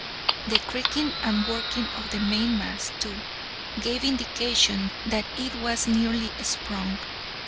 The creaking and working of the mainmast, too, gave indication that it was nearly sprung.